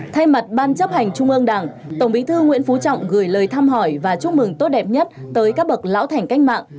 thay mặt ban chấp hành trung ương đảng tổng bí thư nguyễn phú trọng gửi lời thăm hỏi và chúc mừng tốt đẹp nhất tới các bậc lão thành cách mạng